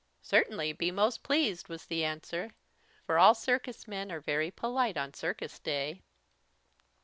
"Certainly, be most pleased," was the answer, for all circus men are very polite on Circus Day.